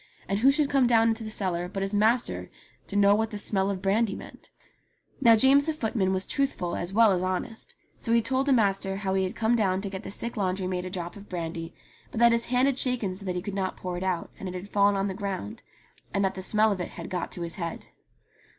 And who should come down into the cellar but his master to know what the smell of brandy meant ! Now James the footman was truthful as well as honest, so he told the master how he had come down to get the sick laundry maid a drop of brandy, but that his hand had shaken so that he could not pour it out, and it had fallen on the ground, and that the smell of it had got to his head.